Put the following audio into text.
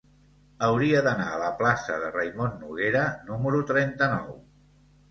Hauria d'anar a la plaça de Raimon Noguera número trenta-nou.